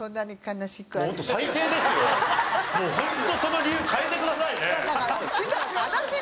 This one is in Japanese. もうホントその理由変えてくださいね。